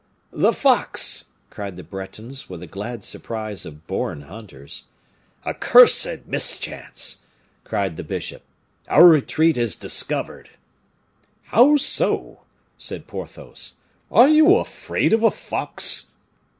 "The fox!" cried the Bretons, with the glad surprise of born hunters. "Accursed mischance!" cried the bishop, "our retreat is discovered." "How so?" said Porthos; "are you afraid of a fox?"